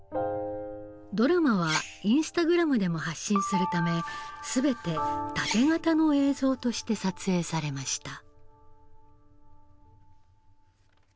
ドラマはインスタグラムでも発信するため全てタテ型の映像として撮影されました。